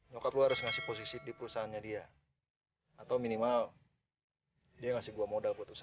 nyokot lu harus ngasih posisi di perusahaannya dia atau minimal dia ngasih dua modal putusan